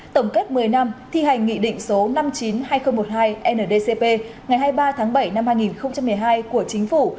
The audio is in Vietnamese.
tổng kết một mươi năm thi hành nghị định số năm mươi chín hai nghìn một mươi hai ndcp ngày hai mươi ba tháng bảy năm hai nghìn một mươi hai của chính phủ